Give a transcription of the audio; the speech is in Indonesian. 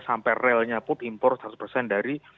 sampai relnya pun impor seratus